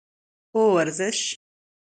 او ورزش